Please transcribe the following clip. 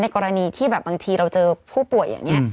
กรณีที่แบบบางทีเราเจอผู้ป่วยอย่างนี้